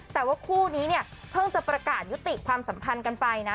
แต่ว่าคู่นี้เนี่ยเพิ่งจะประกาศยุติความสัมพันธ์กันไปนะ